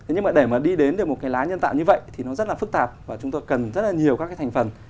nhưng mà để mà đi đến được một cái lá nhân tạo như vậy thì nó rất là phức tạp và chúng tôi cần rất là nhiều các cái thành phần